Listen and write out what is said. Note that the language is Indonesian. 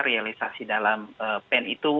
realisasi dalam pen itu